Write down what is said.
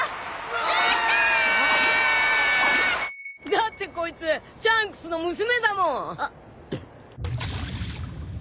「だってこいつシャンクスの娘だもん」